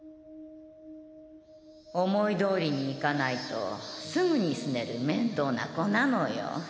思いどおりにいかないとすぐにすねる面倒な子なのよ